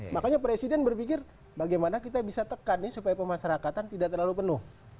makanya presiden berpikir bagaimana kita bisa tekan supaya pemasarakatan tidak terlalu penuh